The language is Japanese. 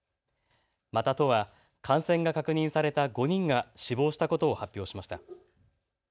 また都は感染が確認された５人が死亡したことを発表しました。